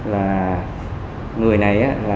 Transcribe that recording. là người này